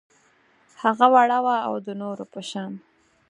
هغه وړه وه او د نورو په شان